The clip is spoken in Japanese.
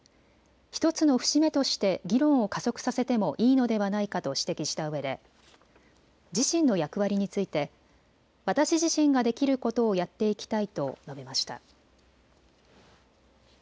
１つの節目として議論を加速させてもいいのではないかと指摘したうえで自身の役割について私自身ができることをやっていきたいと述べました。